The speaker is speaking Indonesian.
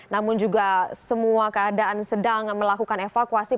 namun juga semua keadaan sedang melakukan evakuasi